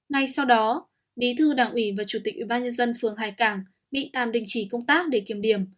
ngay sau đó bí thư đảng ủy và chủ tịch ubnd phường hai cảng bị tàm đình chỉ công tác để kiểm điểm